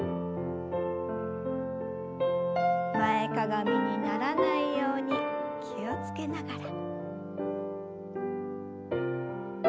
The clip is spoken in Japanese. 前かがみにならないように気を付けながら。